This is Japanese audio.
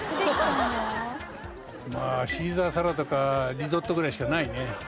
まあシーザーサラダかリゾットぐらいしかないね。